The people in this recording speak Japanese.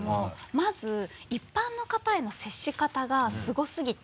まず一般の方への接し方がすごすぎて。